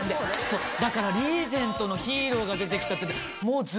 だからリーゼントのヒーローが出てきたときもう。